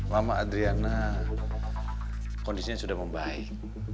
lama adriana kondisinya sudah membaik